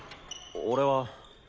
俺は。